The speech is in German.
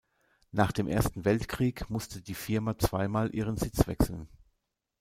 Nach dem Ersten Weltkrieg musste die Firma zweimal ihren Sitz wechseln.